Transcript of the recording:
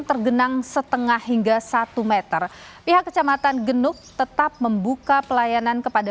tergenang setengah hingga satu meter pihak kecamatan genuk tetap membuka pelayanan kepada